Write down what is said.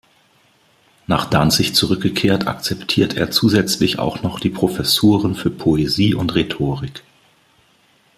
Nach Danzig zurückgekehrt, akzeptiert er zusätzlich auch noch die Professuren für Poesie und Rhetorik.